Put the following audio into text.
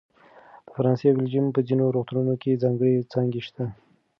د فرانسه او بلجیم په ځینو روغتونونو کې ځانګړې څانګې شته.